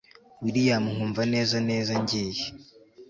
william nkumva neza neza ngiye